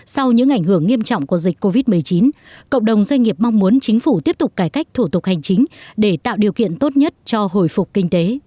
sau những ảnh hưởng nghiêm trọng của dịch covid một mươi chín cộng đồng doanh nghiệp mong muốn chính phủ tiếp tục cải cách thủ tục hành chính để tạo điều kiện tốt nhất cho hồi phục kinh tế